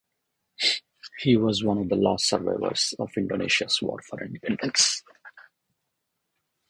He was one of the last survivors of Indonesia's war for independence.